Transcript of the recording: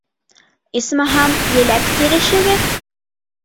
Исмаһам, еләк тирешегеҙ.